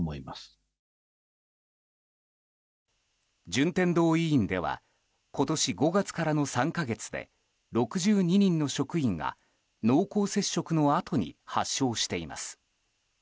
順天堂医院では今年５月からの３か月で６２人の職員が濃厚接触のあとに発症しています。